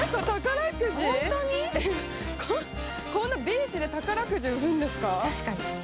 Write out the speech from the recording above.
ここんなビーチで宝くじを売るんですか？